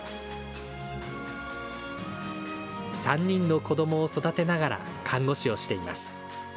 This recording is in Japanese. ３人の子どもを育てながら看護師をしています。